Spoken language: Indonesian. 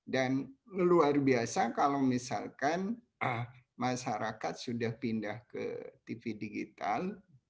dan luar biasa kalau misalkan masyarakat sudah pindah ke tv digital